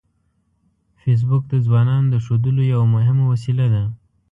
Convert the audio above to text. فېسبوک د ځوانانو د ښودلو یوه مهمه وسیله ده